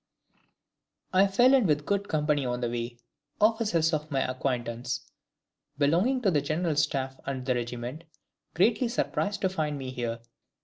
"I fell in with good company on the way, officers of my acquaintance, belonging to the general staff and the regiment, greatly surprised to find me here.